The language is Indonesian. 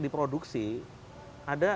di produksi ada